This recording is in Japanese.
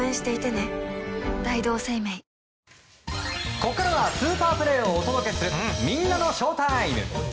ここからはスーパープレーをお届けするみんなのＳＨＯＷＴＩＭＥ！